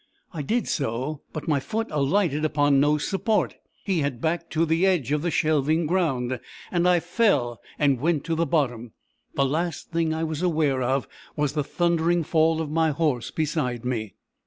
I did so; but my foot alighted upon no support. He had backed to the edge of the shelving ground, and I fell, and went to the bottom. The last thing I was aware of, was the thundering fall of my horse beside me.